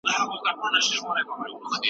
زه به سبا د نوټونو يادونه وکړم.